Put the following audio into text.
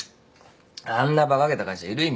あんなバカげた会社いる意味ないんだよ。